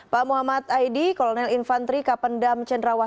pak muhammad aidi kolonel infantri kapendam cendrawati